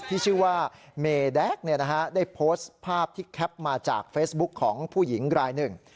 ที่ชื่อว่าเมแด๊กได้โพสต์ภาพที่แคปมาจากเฟซบุ๊คของผู้หญิงรายหนึ่ง